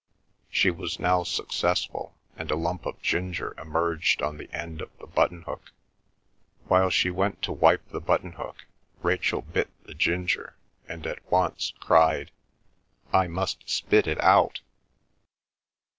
She was now successful, and a lump of ginger emerged on the end of the button hook. While she went to wipe the button hook, Rachel bit the ginger and at once cried, "I must spit it out!"